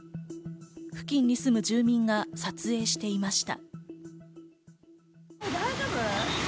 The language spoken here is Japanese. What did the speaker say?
付近に住む住民が撮影していました。